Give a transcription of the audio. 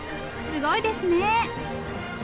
すごいですね。